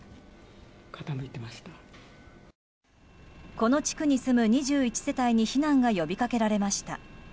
この地区に住む２１世帯に避難が呼びかけられました。